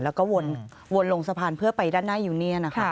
แล้วก็วนลงสะพานเพื่อไปด้านหน้ายูเนียน